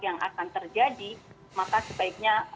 yang akan terjadi maka sebaiknya